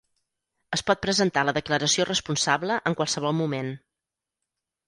Es pot presentar la declaració responsable en qualsevol moment.